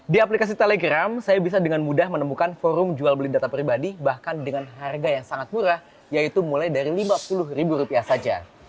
di aplikasi telegram saya bisa dengan mudah menemukan forum jual beli data pribadi bahkan dengan harga yang sangat murah yaitu mulai dari lima puluh ribu rupiah saja